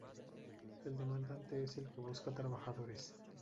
El demandante es el que busca trabajadores.